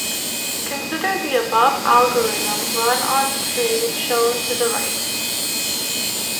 Consider the above algorithm run on the tree shown to the right.